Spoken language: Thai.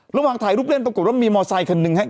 ระหว่างถ่ายรูปเล่นปรากฏว่ามีมอไซคันหนึ่งครับ